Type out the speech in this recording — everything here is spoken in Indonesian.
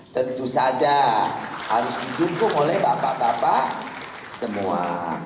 tentu saja harus di dukung oleh bapak bapak semua